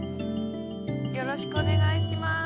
よろしくお願いします